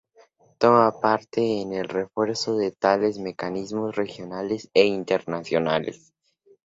Toma parte en el refuerzo de tales mecanismos regionales e internacionales.